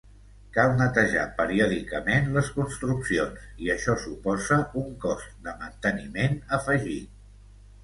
Cal netejar periòdicament les construccions i això suposa un cost de manteniment afegit.